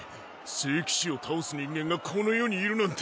聖騎士を倒す人間がこの世にいるなんて。